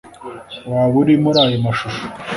Waba uri muri ayo mashusho